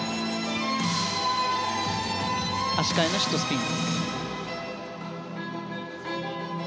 足換えのシットスピン。